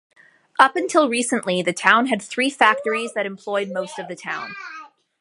Up until recently, the town had three factories that employed most of the town.